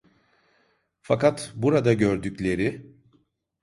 Fakat burada gördükleri…